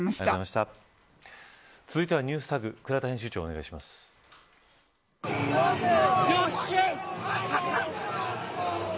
続いてはＮｅｗｓＴａｇ倉田編集長、お願いします。